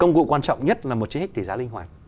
công cụ quan trọng nhất là một chiếc thích tỷ giá linh hoạt